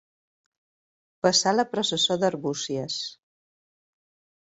Passar la processó d'Arbúcies.